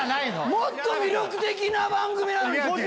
もっと魅力的な番組なのに児嶋！